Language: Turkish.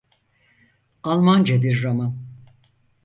Almanca bir roman!